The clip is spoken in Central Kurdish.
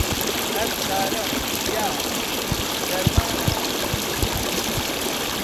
هەر چارەم، یار، دەرمانە، دوکتۆر